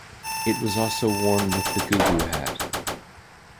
It was also worn with the gugu hat.